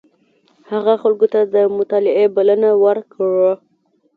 هغه خلکو ته د مطالعې بلنه ورکړه.